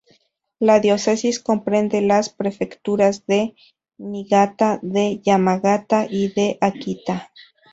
La diócesis comprende las prefecturas de Niigata, de Yamagata y de Akita.